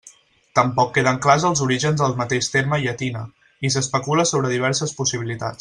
Tampoc queden clars els orígens del mateix terme llatina i s'especula sobre diverses possibilitats.